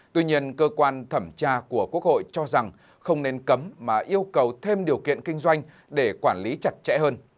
tuy nhiên cơ quan thẩm tra của quốc hội cho rằng không nên cấm mà yêu cầu thêm điều kiện kinh doanh để quản lý chặt chẽ hơn